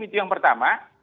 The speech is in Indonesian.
itu yang pertama